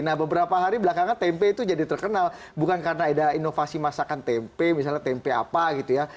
nah beberapa hari belakangan tempe itu jadi terkenal bukan karena ada inovasi masakan tempe misalnya tempe apa gitu ya